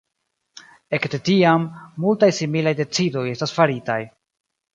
Ekde tiam, multaj similaj decidoj estas faritaj.